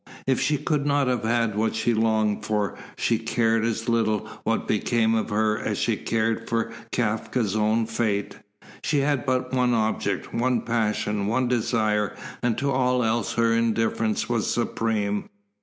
If she could not have what she longed for, she cared as little what became of her as she cared for Kafka's own fate. She had but one object, one passion, one desire, and to all else her indifference was supreme.